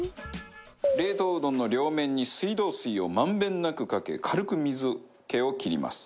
冷凍うどんの両面に水道水を満遍なくかけ軽く水気を切ります。